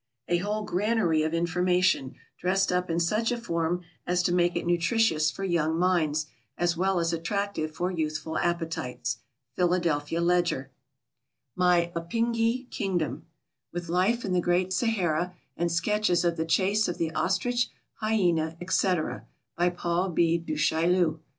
_ A whole granary of information, dressed up in such a form as to make it nutritious for young minds, as well as attractive for youthful appetites. Philadelphia Ledger. My Apingi Kingdom: With Life in the Great Sahara, and Sketches of the Chase of the Ostrich, Hyena, &c. By PAUL B. DU CHAILLU.